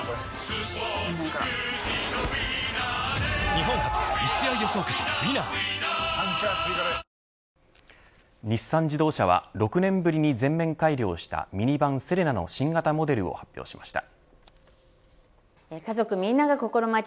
日産自動車は６年ぶりに全面改良したミニバン、セレナの新型モデルを発表しました。